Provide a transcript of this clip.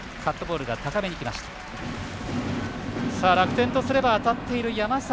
楽天とすれば、当たっている山崎